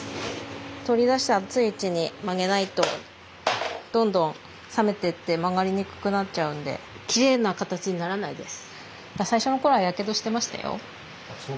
取り出して熱いうちに曲げないとどんどん冷めてって曲がりにくくなっちゃうんできれいな形にならないです。